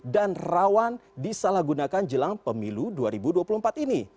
dan rawan disalahgunakan jelang pemilu dua ribu dua puluh empat ini